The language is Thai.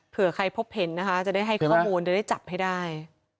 เผื่อใครพบเห็นนะคะจะได้ให้ข้อมูลจะได้จับให้ได้